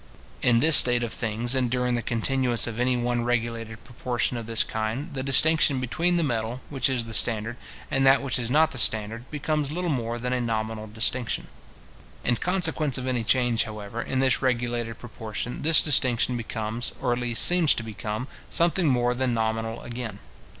In this state of things, and during the continuance of any one regulated proportion of this kind, the distinction between the metal, which is the standard, and that which is not the standard, becomes little more than a nominal distinction. In consequence of any change, however, in this regulated proportion, this distinction becomes, or at least seems to become, something more than nominal again.